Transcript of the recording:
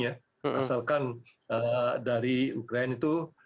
asalkan dari ukraina itu